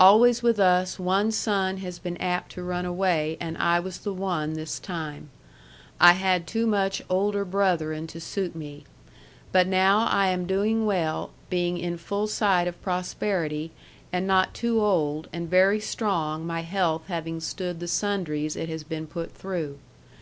Always with us one son has been apt to run away and I was the one this time. I had too much older brothering to suit me. But now I am doing well being in full sight of prosperity and not too old and very strong my health having stood the sundries it has been put through.